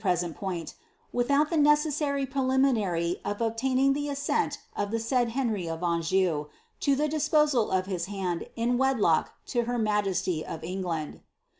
'ent point, without the necessary preliminary of obtaining the assent of the said Henry of Anjou, to the disposal of his hand in wed lock to her majesty of England.